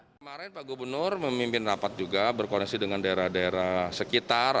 kemarin pak gubernur memimpin rapat juga berkoneksi dengan daerah daerah sekitar